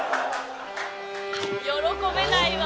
喜べないわ